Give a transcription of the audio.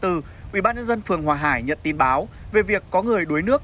ủy ban nhân dân phường hòa hải nhận tin báo về việc có người đuối nước